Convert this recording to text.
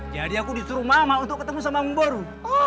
jadi aku disuruh mama untuk ketemu sama mang boru